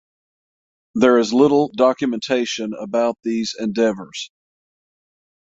There is little documentation about these endeavors.